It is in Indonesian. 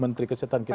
menteri kesehatan kita